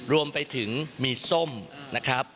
รวมไปถึงมีส้มนะครับ